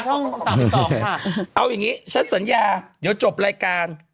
ช่องสามสี่สองค่ะเอาอย่างงี้ฉันสัญญาเดี๋ยวจบรายการ